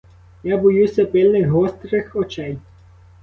Я боюся пильних гострих очей!